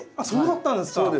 そうだったんですか。